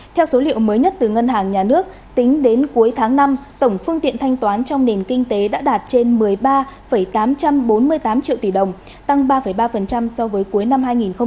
theo số liệu mới nhất từ ngân hàng nhà nước tính đến cuối tháng năm tổng phương tiện thanh toán trong nền kinh tế đã đạt trên một mươi ba tám trăm bốn mươi tám triệu tỷ đồng tăng ba ba so với cuối năm hai nghìn một mươi tám